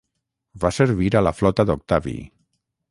Va servir a la flota d'Octavi.